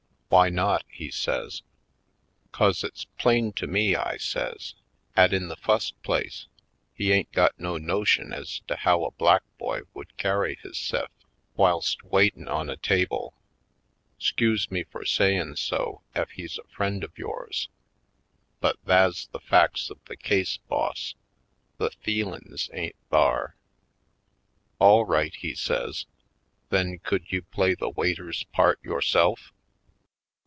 "Why not?" he says. Movie Land 131 " 'Cause it's plain to me," I says, *' 'at in the fust place he ain't got no notion ez to how a black boy would carry hisse'f whilst waitin' on a table. 'Scuse me fur sayin' so ef he's a friend of yours, but tha's the facts of the case, boss — the feelin's ain't thar." "All right," he says, "then could you play the waiter's part yourself?"